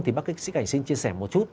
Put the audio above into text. thì bác kinh sĩ cảnh xin chia sẻ một chút